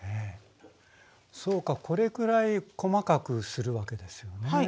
そうかこれくらい細かくするわけですよね。